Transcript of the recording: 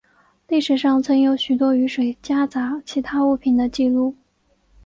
历史上曾有许多雨水夹杂其他物品的记录。